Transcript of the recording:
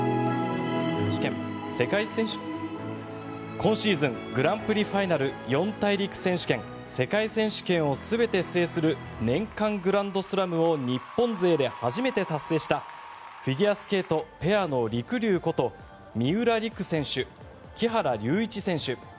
今シーズングランプリファイナル四大陸選手権世界選手権を全て制する年間グランドスラムを日本勢で初めて達成したフィギュアスケート、ペアのりくりゅうこと三浦璃来選手、木原龍一選手。